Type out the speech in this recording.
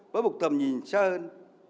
với một tầm nhìn xa hơn